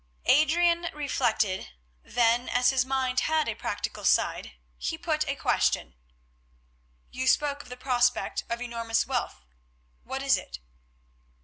Adrian reflected, then as his mind had a practical side, he put a question. "You spoke of the prospect of enormous wealth; what is it?"